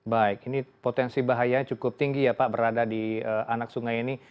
baik ini potensi bahayanya cukup tinggi ya pak berada di anak sungai ini